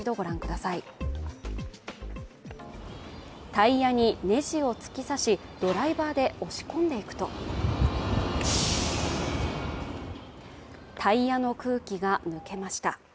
タイヤにネジを突き刺しドライバーで押し込んでいくとタイヤの空気が抜けました。